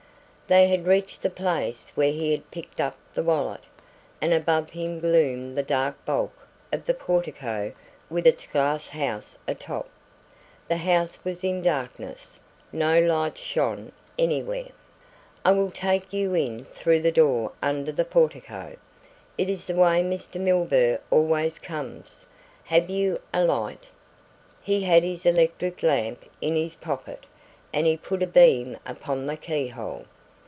They had reached the place where he had picked up the wallet, and above him gloomed the dark bulk of the portico with its glass house atop. The house was in darkness, no lights shone anywhere. "I will take you in through the door under the portico. It is the way Mr. Milburgh always comes. Have you a light?" He had his electric lamp in his pocket and he put a beam upon the key hole.